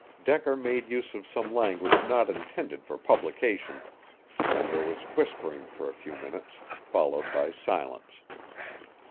Decker made use of some language not intended for publication, and there was whispering for a few minutes, followed by silence.